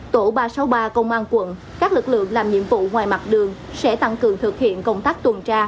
tổ ba trăm sáu mươi ba công an quận các lực lượng làm nhiệm vụ ngoài mặt đường sẽ tăng cường thực hiện công tác tuần tra